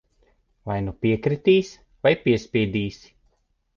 Vai nu piekritīs, vai piespiedīsi.